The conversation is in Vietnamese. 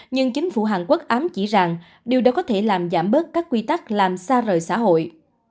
nhưng chính phủ hàn quốc ám chỉ rằng điều đó có thể làm giảm bớt các quy tắc làm xa rời xã hội